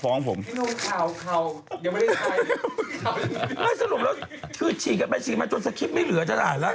สรุปแล้วคือฉีกกันไปฉีกมาจนสกิปไม่เหลือจนหาละ